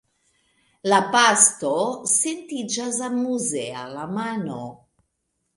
La pasto sentiĝas amuze al la mano.